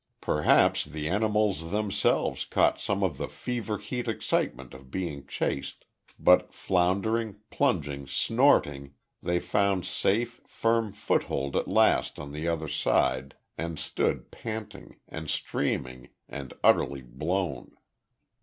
Perhaps the animals themselves caught some of the fever heat excitement of being chased, but floundering, plunging, snorting, they found safe, firm foothold at last on the other side, and stood panting, and streaming, and utterly blown.